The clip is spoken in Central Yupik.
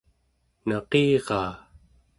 naqiraa